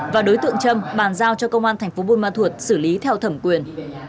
và đối tượng trâm bàn giao cho công an tp buôn ma thuột xử lý theo thẩm quyền